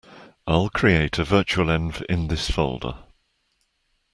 I'll create a virtualenv in this folder.